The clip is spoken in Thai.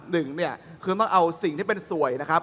หนึ่งเนี่ยคือต้องเอาสิ่งที่เป็นสวยนะครับ